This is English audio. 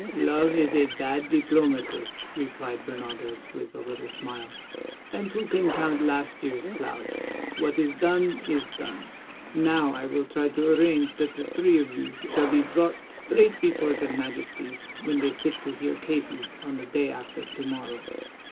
"Love is a bad diplomatist," replied Bernaldez, with a little smile, "and who can count last year's clouds? What is done, is done. Now I will try to arrange that the three of you shall be brought straight before their Majesties when they sit to hear cases on the day after to morrow.